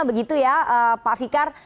begitu ya pak fikar